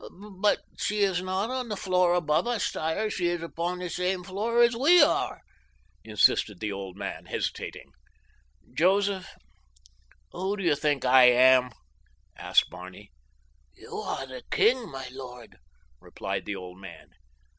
"But she is not on the floor above us, sire; she is upon the same floor as we are," insisted the old man, hesitating. "Joseph, who do you think I am?" asked Barney. "You are the king, my lord," replied the old man.